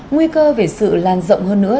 nguy cơ về sự lan rộng hơn nữa